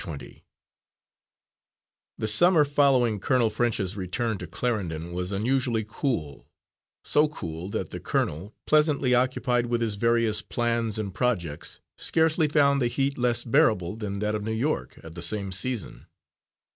Twenty The summer following Colonel French's return to Clarendon was unusually cool, so cool that the colonel, pleasantly occupied with his various plans and projects, scarcely found the heat less bearable than that of New York at the same season.